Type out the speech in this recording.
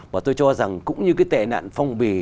và tôi cho rằng cũng như cái tệ nạn phong bì